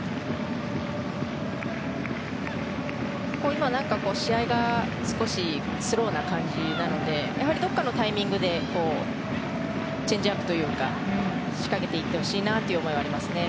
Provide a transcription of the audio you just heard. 今、試合が少しスローな感じなのでどこかのタイミングでチェンジアップというか仕掛けていってほしいなという思いはありますね。